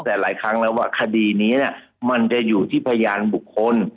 เพราะว่าคดีนี้มันจะอยู่ที่พยานบุคคล